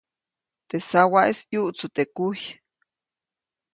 Teʼ sawaʼis ʼyuʼtsu teʼ kujy.